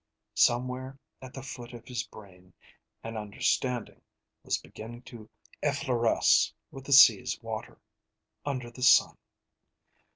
Somewhere at the foot of his brain, an understanding was beginning to effloresce with the sea's water, under the sun.